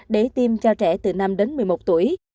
để tiêm cho trẻ từ năm đến một mươi một tuổi